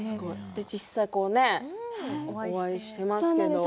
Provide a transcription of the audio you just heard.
実際にねお会いしてますけど。